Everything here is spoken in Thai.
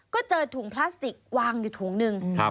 ก็เจอถุงพลาสติกวางอยู่ถุงนึง